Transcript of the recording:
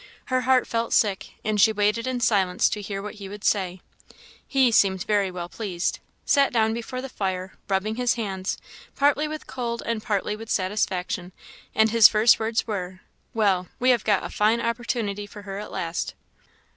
Her heart felt sick, and she waited in silence to hear what he would say. He seemed very well pleased sat down before the fire, rubbing his hands, partly with cold and partly with satisfaction; and his first words were "Well! we have got a fine opportunity for her at last."